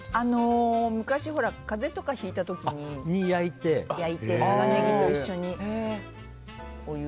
昔風邪とかひいたときに焼いて長ネギと一緒に。